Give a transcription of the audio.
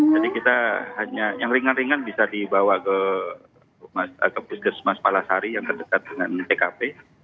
jadi kita hanya yang ringan ringan bisa dibawa ke puskesmas palasari yang terdekat dengan pkp